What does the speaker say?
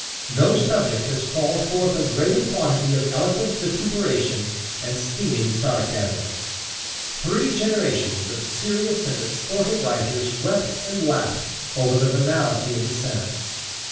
No subject has called forth a greater quantity of eloquent vituperation and stinging sarcasm. Three generations of serious and of sportive writers wept and laughed over the venality of the senate.